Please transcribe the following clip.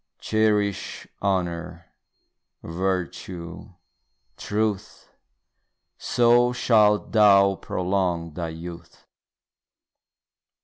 Cherish honour, virtue, truth, So shalt thou prolong thy youth.